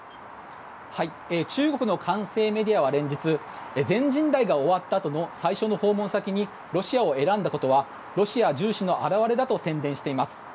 中国のメディアは連日全人代が終わったあとの最初の訪問先にロシアを選んだことはロシア重視の表れだと宣伝しています。